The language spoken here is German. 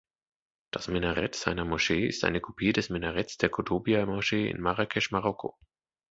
Das Minarett seiner Moschee ist eine Kopie des Minaretts der Koutoubia-Moschee in Marrakesch, Marokko.